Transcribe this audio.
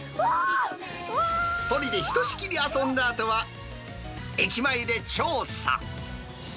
それでひとしきり遊んだあとは、駅前で調査。